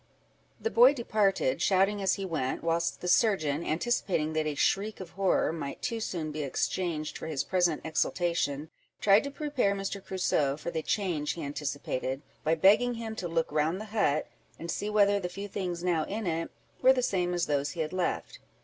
The boy departed, shouting as he went, whilst the surgeon, anticipating that a shriek of horror might too soon be exchanged for his present exultation, tried to prepare Mr. Crusoe for the change he anticipated, by begging him to look round the hut, and see whether the few things now in it were the same as those he had left.